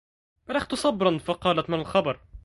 بلغت صبرا فقالت ما الخبر